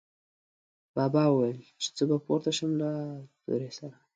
بابا ویل، چې زه به پورته شم له تورې سره